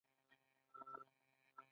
د بزګر ډوډۍ د هغه اړتیا پوره کوله.